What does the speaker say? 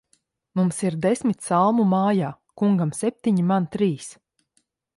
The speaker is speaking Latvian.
Mums ir desmit salmu mājā; kungam septiņi, man trīs.